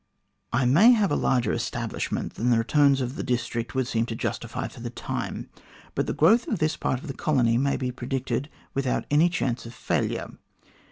I may have a larger establishment than the returns of the district would seem to justify for the time, but the growth of this part of the country may be predicted without any chance of failure.